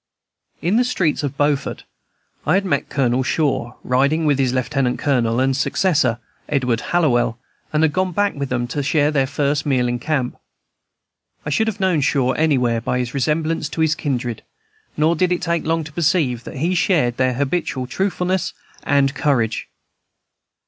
In the streets of Beaufort I had met Colonel Shaw, riding with his lieutenant colonel and successor, Edward Hallowell, and had gone back with them to share their first meal in camp. I should have known Shaw anywhere by his resemblance to his kindred, nor did it take long to perceive that he shared their habitual truthfulness and courage.